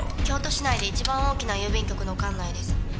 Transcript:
京都市内で一番大きな郵便局の管内です。